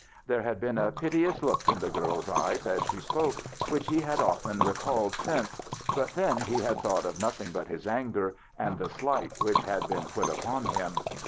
There had been a piteous look in the girl's eyes as she spoke, which he had often re called since; but then he had thought of nothing but his anger and the slight which had been put upon him.